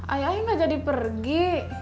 ai ai gak jadi pergi